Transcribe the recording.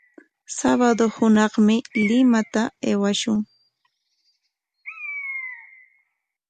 Sabado hunaqmi Limaqta aywashun.